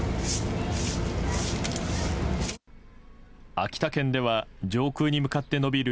秋田県では上空に向かって延びる